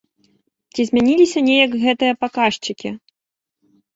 Ці змяніліся неяк гэтыя паказчыкі?